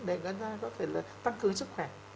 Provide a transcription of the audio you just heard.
để người ta có thể tăng cường sức khỏe